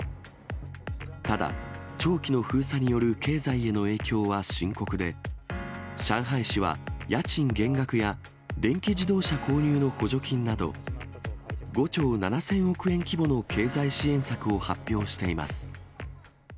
ただ、長期の封鎖による経済への影響は深刻で、上海市は、家賃減額や電気自動車購入の補助金など、５兆７０００億円規模の経済支援策を発表しています。